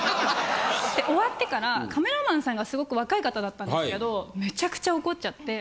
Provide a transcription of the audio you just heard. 終わってからカメラマンさんがすごく若い方だったんですけどめちゃくちゃ怒っちゃって。